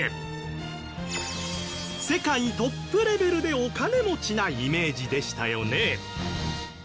世界トップレベルでお金持ちなイメージでしたよね